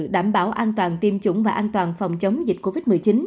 đảm bảo an toàn tiêm chủng và an toàn phòng chống dịch covid một mươi chín